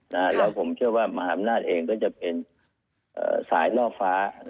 แล้วผมเชื่อว่ามหาอำนาจเองก็จะเป็นสายล่อฟ้า